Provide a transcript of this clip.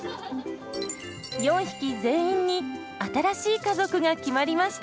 ４匹全員に新しい家族が決まりました！